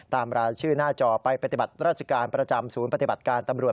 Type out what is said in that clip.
รายชื่อหน้าจอไปปฏิบัติราชการประจำศูนย์ปฏิบัติการตำรวจ